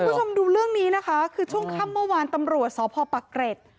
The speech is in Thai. คุณผู้ชมดูเรื่องนี้นะคะคือช่วงค่ำเมื่อวานตำรวจสพปะเกร็ด